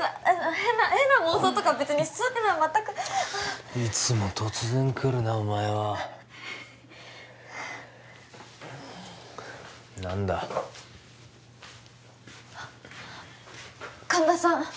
変な変な妄想とか別にそういうのは全くいつも突然来るなお前は何だ神田さん